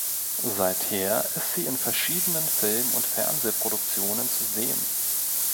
Seither ist sie in verschiedenen Film- und Fernsehproduktionen zu sehen.